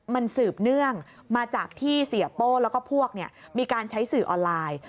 มันสืบเนื่องมาจากที่เสียโป้แล้วก็พวกมีการใช้สื่อออนไลน์